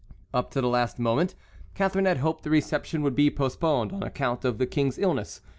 Up to the last moment Catharine had hoped the reception would be postponed on account of the King's illness.